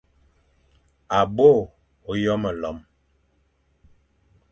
À bôe ôyo melom,